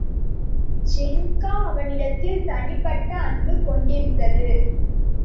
ஜின்கா அவனிடத்தில் தனிப்பட்ட அன்பு கொண்டிருந்தது.